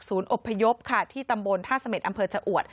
ศูนย์อบพยพค่ะที่ตำบลท่าสมิตรอำเภอฉะอวด